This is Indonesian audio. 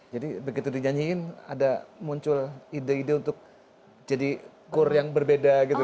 jadi begitu dinyanyiin ada muncul ide ide untuk jadi kur yang berbeda gitu